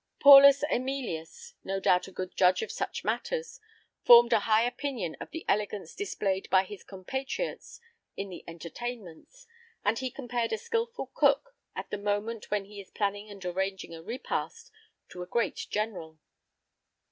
Paulus Æmilius, no doubt a good judge in such matters, formed a high opinion of the elegance displayed by his compatriots in the entertainments; and he compared a skilful cook, at the moment when he is planning and arranging a repast, to a great general.